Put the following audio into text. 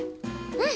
うん。